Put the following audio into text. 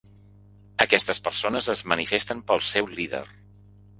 Aquestes persones es manifesten pel seu líder.